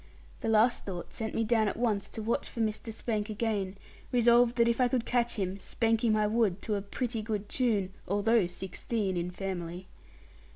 That last thought sent me down at once to watch for Mr. Spank again, resolved that if I could catch him, spank him I would to a pretty good tune, although sixteen in family.